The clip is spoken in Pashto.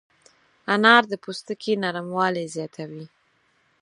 انار د پوستکي نرموالی زیاتوي.